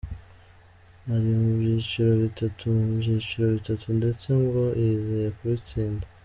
Ari mu byiciro bitatu mu byiciro bitatu ndetse ngo yizeye kubitsinda.